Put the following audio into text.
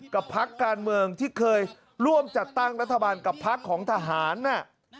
พักการเมืองที่เคยร่วมจัดตั้งรัฐบาลกับพักของทหารน่ะ